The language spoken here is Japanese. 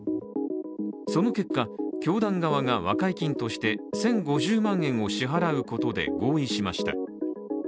その結果、教団側が和解金として１０５０万円を支払うことで合意しました。